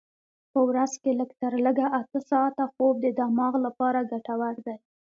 په ورځ کې لږ تر لږه اته ساعته خوب د دماغ لپاره ګټور دی.